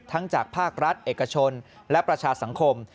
จากภาครัฐเอกชนและประชาสังคม